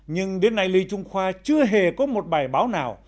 nhưng đến nay lê trung khoa chưa hề có một bài báo nào